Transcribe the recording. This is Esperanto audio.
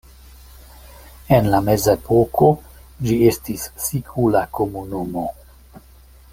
En la mezepoko ĝi estis sikula komunumo.